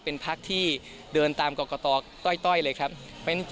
เป็นพรรคที่เดินตามกรกต